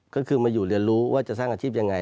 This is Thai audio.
ก็คือมาอยู่เรียนรู้ว่าจะสร้างอาชีพยังไง